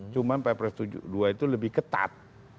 cuman pepres tujuh puluh dua itu lebih ketat